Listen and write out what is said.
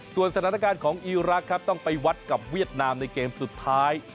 ส่วนสถานการณ์ของอีรักษ์ครับต้องไปวัดกับเวียดนามในเกมสุดท้าย